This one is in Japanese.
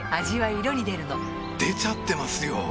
味は色に出るの出ちゃってますよ！